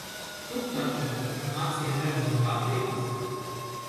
Tu taču man acīmredzami patīc.